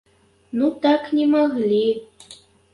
Ну так, не маглі.